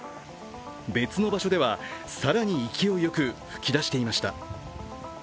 別の場所では更に勢いよく噴き出していました。